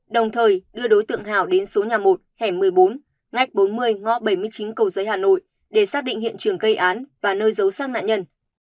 đồng thời đưa đối tượng hào đến số nhà một hẻm một mươi bốn ngách bốn mươi ngõ bảy mươi chín cầu giấy hà nội để xác định hiện trường gây án và nơi giấu xác nạn nhân